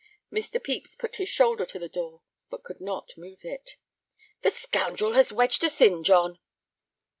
Mr. Pepys put his shoulder to the door, but could not move it. "The scoundrel has wedged us in, John!"